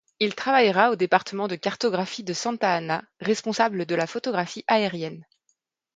Il travaillera au département de cartographie de Santa-Anna, responsable de la photographie aérienne.